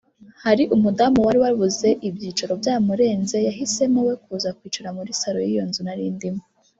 Hari umudamu wari wabuze ibyicaro byamurenze yahisemo we kuza kwicara muri salon y’iyo nzu nari ndimo